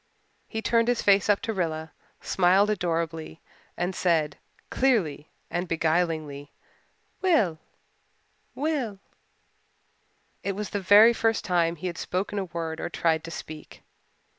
He turned his face up to Rilla, smiled adorably and said, clearly and beguilingly, "Will Will." It was the very first time he had spoken a word or tried to speak.